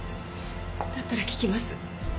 だったら聞きます。